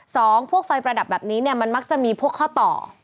พวกไฟประดับแบบนี้เนี่ยมันมักจะมีพวกข้อต่อ